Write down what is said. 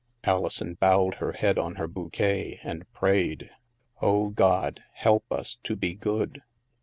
Alison bowed her head on her bouquet and prayed. "Oh, God, help us to be good.